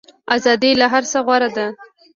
ازادي له هر څه غوره ده.